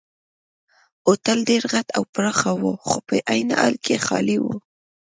هوټل ډېر غټ او پراخه وو خو په عین حال کې خالي وو.